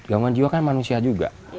gangguan jiwa kan manusia juga